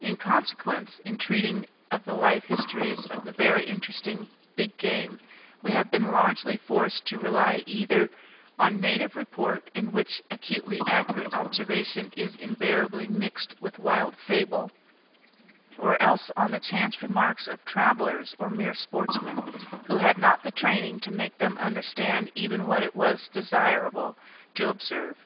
In consequence, in treating of the life histories of the very interesting big game, we have been largely forced to rely either on native report, in which acutely accurate observation is invariably mixed with wild fable, or else on the chance remarks of travellers or mere sportsmen, who had not the training to make them understand even what it was desirable to observe.